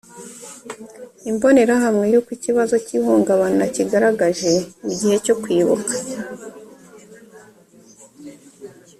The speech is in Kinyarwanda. imbonerahamwe ya uko ikibazo cy ihungabana cyigaragaje mu gihe cyo kwibuka